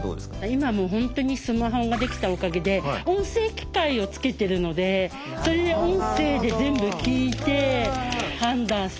今もう本当にスマホができたおかげで音声機械をつけてるのでそれで音声で全部聞いて判断したり。